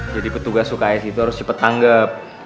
jadi petugas uks itu harus cepet tanggep